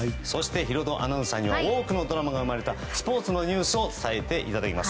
ヒロドアナウンサーには多くのドラマが生まれたスポーツのニュースを伝えていただきます。